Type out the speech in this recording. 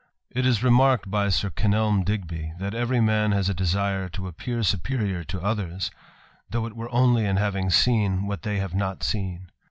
It is remarked by Sir Kenelm Digby, "that "man has a desire to appear superior to others, though " it were only in having seen what they have " seen."